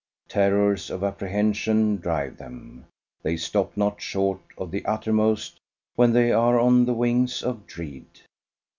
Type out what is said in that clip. Terrors of apprehension drive them. They stop not short of the uttermost when they are on the wings of dread.